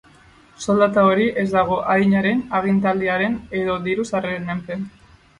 Soldata hori ez dago adinaren, agintaldiaren edo diru-sarreren menpe.